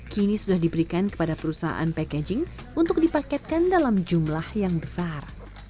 kini sudah diberikan kepada perusahaan packaging untuk dipaketkan dalam jumlah yang besar